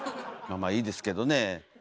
まあまあいいですけどね。